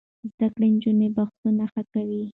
زده کړې نجونې بحثونه ښه کوي.